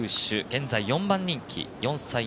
現在４番人気。